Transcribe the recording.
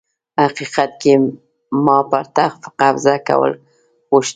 حقيقت کي ما پر تخت قبضه کول غوښته